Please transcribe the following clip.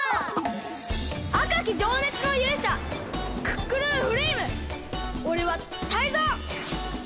あかきじょうねつのゆうしゃクックルンフレイムおれはタイゾウ！